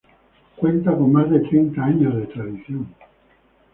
Cuenta con más de treinta años de tradición.